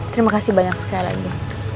terima kasih banyak sekali lagi